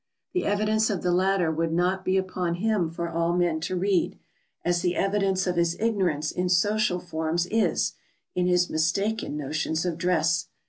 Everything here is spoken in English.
The evidence of the latter would not be upon him for all men to read, as the evidence of his ignorance in social forms is, in his mistaken notions of dress.